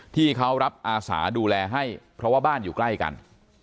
ที่เขารับอาสาดูแลให้เพราะว่าบ้านอยู่ใกล้กัน